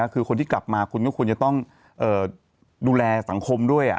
คือคนที่กลับมาคุณก็ควรจะต้องดูแลสังคมด้วย